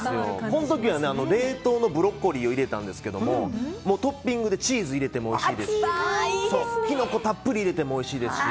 この時は冷凍のブロッコリーを入れたんですけどトッピングでチーズを入れてもおいしいですしキノコをたっぷり入れてもおいしいですし。